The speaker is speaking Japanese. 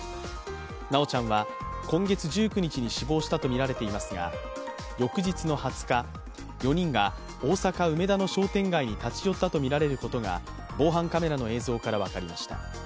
修ちゃんは今月１９日に死亡したとみられていますが、翌日の２０日、４人が大阪・梅田の商店街に立ち寄ったとみられることが、防犯カメラの映像から分かりました。